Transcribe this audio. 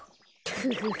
フフフ。